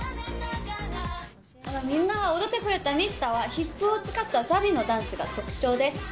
みんなが踊ってくれたミスターは、ヒップを使ったさびのダンスが特徴です。